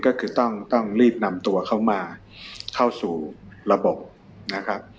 ก็คือต้องรีบนำตัวเขามาเข้าสู่ระบบนะครับ